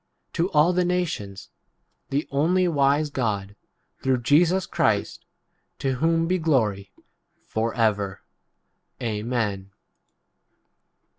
to all the nations — [the] only wise God, through Jesus Christ, to whom v be glory for ever. Amen.